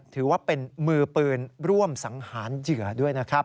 ถือว่าเป็นมือปืนร่วมสังหารเหยื่อด้วยนะครับ